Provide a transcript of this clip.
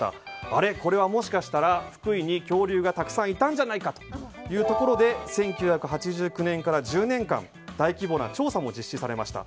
あれ、これはもしかしたら福井にたくさん恐竜がいたんじゃないかということで１９８９年から１０年間大規模な調査も実施されました。